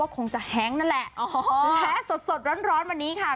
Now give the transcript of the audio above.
คงจะแฮงนั่นแหละแท้สดสดร้อนวันนี้ค่ะ